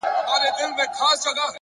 ژوند د انتخابونو خاموشه مجموعه ده.!